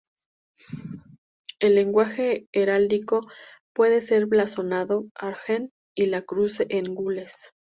En lenguaje heráldico, puede ser blasonado "argent, y la cruz en gules".